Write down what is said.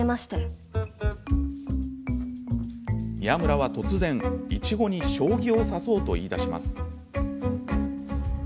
宮村は突然、苺に将棋を指そうと言いだします。